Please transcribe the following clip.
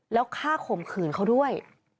แล้วฆ่าข่มขืนเขาด้วย